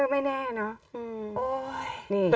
ไม่แน่เนอะ